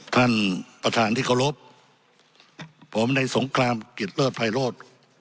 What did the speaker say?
ท่านประธานที่เคารพผมในสงครามกิจเลิศภัยโรธ